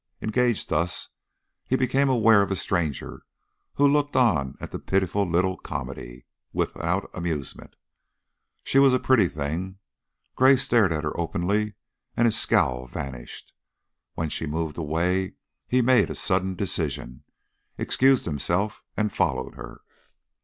Engaged thus, he became aware of a stranger who looked on at the pitiful little comedy without amusement. She was a pretty thing. Gray stared at her openly and his scowl vanished. When she moved away, he made a sudden decision, excused himself, and followed her.